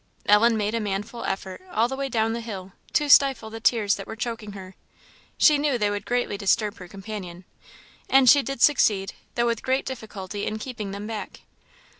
Ellen made a manful effort, all the way down the hill, to stifle the tears that were choking her. She knew they would greatly disturb her companion, and she did succeed, though with great difficulty, in keeping them back.